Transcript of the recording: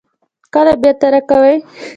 کله بیرته راکوئ؟